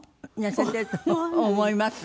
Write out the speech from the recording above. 痩せてると思います。